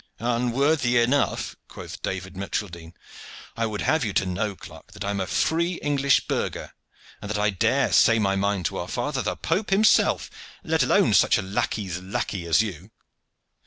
"Unworthy enough!" quoth David Micheldene. "I would have you to know, clerk, that I am a free English burgher, and that I dare say my mind to our father the Pope himself, let alone such a lacquey's lacquey as you!"